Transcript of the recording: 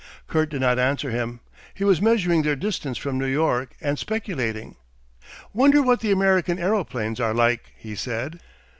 Kurt did not answer him. He was measuring their distance from New York and speculating. "Wonder what the American aeroplanes are like?" he said.